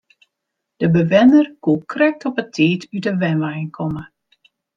De bewenner koe krekt op 'e tiid út de wenwein komme.